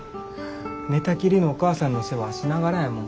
寝たきりのお母さんの世話しながらやもん。